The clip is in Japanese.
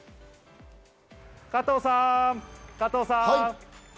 加藤さん、加藤さん。